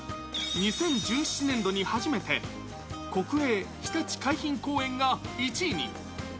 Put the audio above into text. ２０１７年度に初めて、国営ひたち海浜公園が１位に。